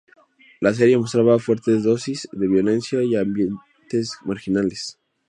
La serie mostraba fuertes dosis de violencia y ambientes marginales.